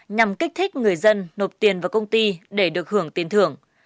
nhằm kích thích người dân nộp tiền vào công ty để được hưởng tiền thưởng